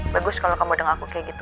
bagus kalau kamu dengar aku kayak gitu